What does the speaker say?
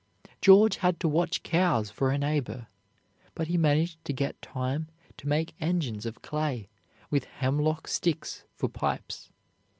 George had to watch cows for a neighbor, but he managed to get time to make engines of clay, with hemlock sticks for pipes.